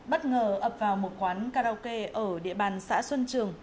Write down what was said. bất ngờ ập vào một quán karaoke ở địa bàn xã xuân trường